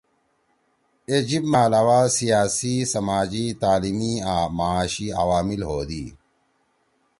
اے جیِب ما علاوہ سیاسی، سماجی، تعلیمی آں معاشی عوامل ہودی۔